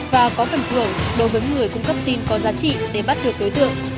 và có phần thưởng đối với người cung cấp tin có giá trị để bắt được đối tượng